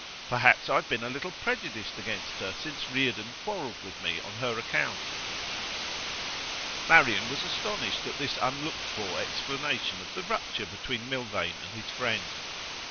Perhaps I have been a little prejudiced against her since Reardon quarrelled with me on her account.' Marian was astonished at this unlooked for explanation of the rupture between Milvain and his friend.